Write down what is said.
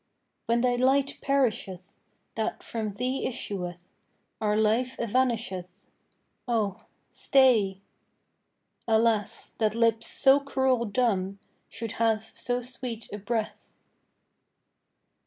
When thy light perisheth That from thee issueth, Our life evanisheth: Oh! stay. Alas! that lips so cruel dumb Should have so sweet a breath!